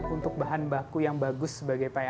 untuk bahan baku yang bagus sebagai pie apple